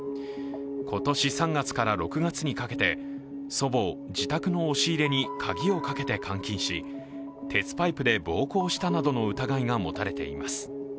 今年３月から６月にかけて祖母を自宅の押し入れに入れて鍵をかけて監禁し鉄パイプで暴行したなどの疑いが持たれています。